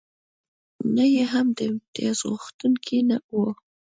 نه یې هم د امتیازغوښتونکی و.